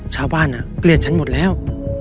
ชาวบ้านเกลียดฉันหมดแล้ว